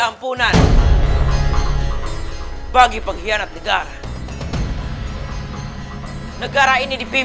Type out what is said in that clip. karena er nampak aku memikirkan kau sebagai istrimu